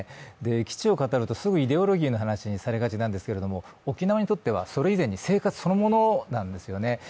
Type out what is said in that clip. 基地を語ると、すぐイデオロギーの話にされがちですが沖縄にとっては、それ以前に生活そのものなんですよね。